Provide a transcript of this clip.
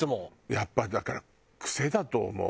やっぱりだから癖だと思う。